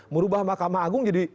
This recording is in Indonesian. merubah makam agung jadi